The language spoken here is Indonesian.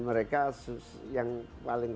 mereka yang paling